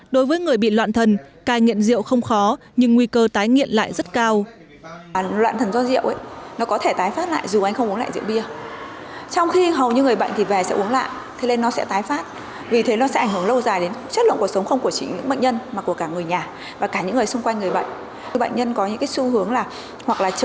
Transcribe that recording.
đối với người bị loạn thần cài nghiện rượu không khó nhưng nguy cơ tái nghiện lại rất cao